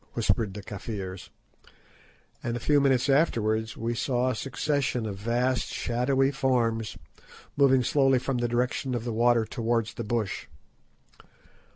whispered the Kafirs, and a few minutes afterwards we saw a succession of vast shadowy forms moving slowly from the direction of the water towards the bush.